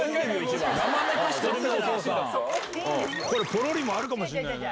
ポロリもあるかもしれないよね。